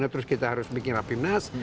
dan kemudian kita harus membuat perusahaan